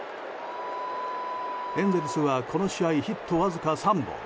エンゼルスは、この試合ヒットわずか３本。